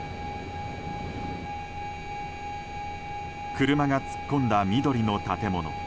車が突っ込んだ緑の建物。